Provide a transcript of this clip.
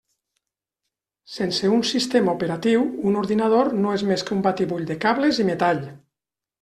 Sense un sistema operatiu, un ordinador no és més que un batibull de cables i metall.